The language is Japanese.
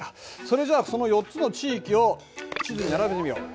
それじゃあその４つの地域を地図に並べてみよう。